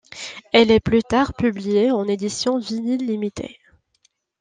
Elle est plus tard publiée en édition vinyle limitée.